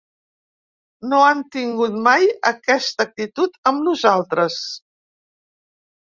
No han tingut mai aquesta actitud amb nosaltres.